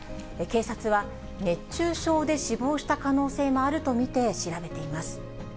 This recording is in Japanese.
警察は、熱中症で死亡した可能性もあると見て調べています。